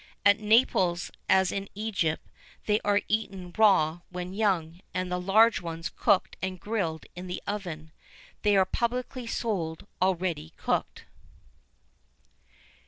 At Naples, as in Egypt, they are eaten raw when young, and the large ones cooked and grilled in the oven. They are publicly sold already cooked."